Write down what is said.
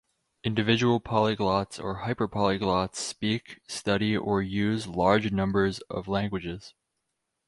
Individual polyglots or hyperpolyglots speak, study, or use large numbers of languages.